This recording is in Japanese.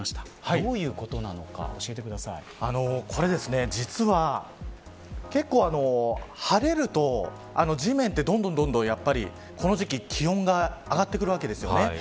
どういうことなのかこれ実は、結構晴れると地面って、どんどんこの時期気温が上がってくるわけですよね。